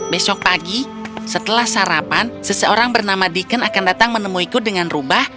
besok pagi setelah sarapan seseorang bernama deacon akan datang menemuiku dengan rubah